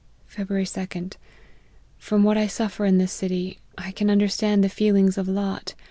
" Feb. 2d. From what I suffer in this city, I can understand the feelings of Lot.